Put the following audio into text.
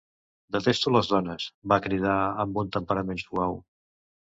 "Detesto les dones", va cridar amb un temperament suau.